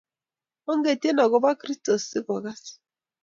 Ongetien agobo Kristo si kokas